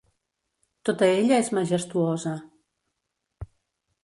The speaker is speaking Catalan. Tota ella és majestuosa.